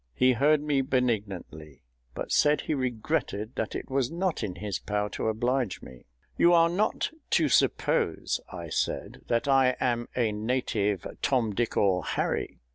He heard me benignantly, but said he regretted that it was not in his power to oblige me. "You are not to suppose," I said, "that I am a native TOM DICK or HARRY.